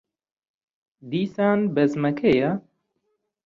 دیسان بەزمەکەیە.